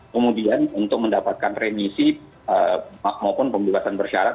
kemudian untuk mendapatkan remisi maupun pembebasan bersyarat